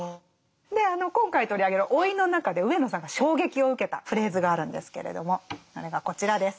であの今回取り上げる「老い」の中で上野さんが衝撃を受けたフレーズがあるんですけれどもそれがこちらです。